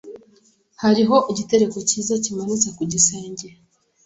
Hariho igitereko cyiza kimanitse ku gisenge